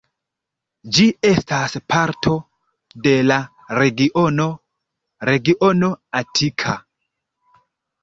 Ĝi estas parto de la regiono regiono Atika.